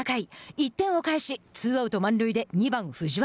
１点を返しツーアウト、満塁で２番藤原。